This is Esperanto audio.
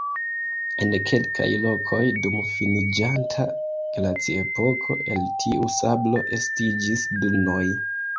En kelkaj lokoj dum finiĝanta glaciepoko el tiu sablo estiĝis dunoj.